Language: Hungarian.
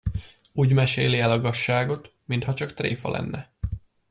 Úgy meséli el a gazságot, mintha csak tréfa lenne.